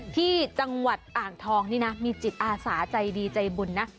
ที่จังหวัดอ่างทองนี่นะมีจิตอาสาใจดีใจบุญนะ